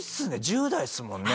１０代ですもんね？